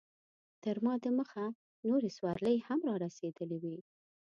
تر ما دمخه نورې سورلۍ هم رارسېدلې وې.